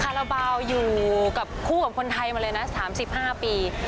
ราบาลอยู่กับคู่กับคนไทยมาเลยนะ๓๕ปี